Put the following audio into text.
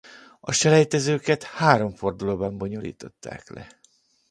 A selejtezőket három fordulóban bonyolították le.